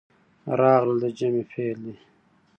راغلل د جمع فعل دی.